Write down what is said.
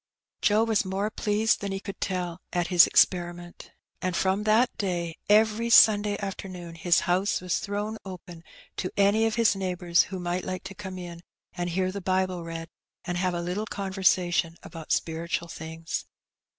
Joe was more pleased than he could tell at his experi ment, and from that day every Sunday afternoon his house was thrown open to any of his neighbours who might like to come in, and hear the Bible read, and have a little conversation about spiritual things.